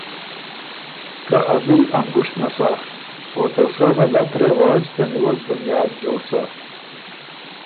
که ا بی ل ا ںګُشت نسا او ته سۀ غلط رواج ته نیوک بنیاد جوړ سَۀ۔